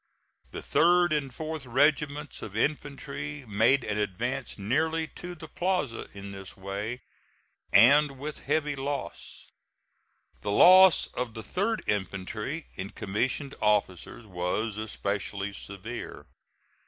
The 3d and 4th regiments of infantry made an advance nearly to the plaza in this way and with heavy loss. The loss of the 3d infantry in commissioned officers was especially severe.